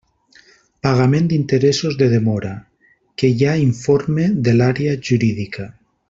Pagament d'interessos de demora: que hi ha informe de l'Àrea Jurídica.